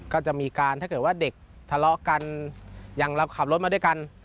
ก็จะมีการถ้าเกิดว่าเด็กทะเลาะกันอย่างเราขับรถมาด้วยกัน